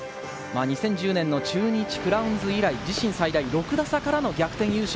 ２０１０年の中日クラウンズ以来、自身最大６打差からの逆転優勝。